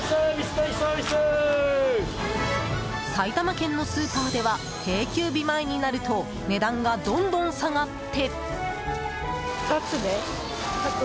埼玉県のスーパーでは定休日前になると値段がどんどん下がって。